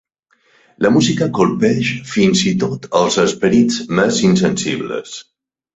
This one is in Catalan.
La música colpeix fins i tot els esperits més insensibles.